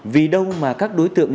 vì đâu mà các đối tượng